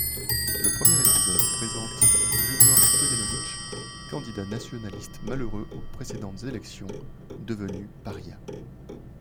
Le premier épisode présente Grigor Stoyanovitch, candidat nationaliste malheureux aux précédentes élections, devenu paria.